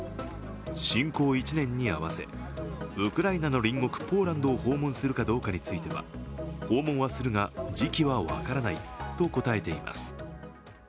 侵攻１年に合わせ、ウクライナの隣国ポーランドを訪問するかどうかについては訪問はするが時期は分からないと答えています。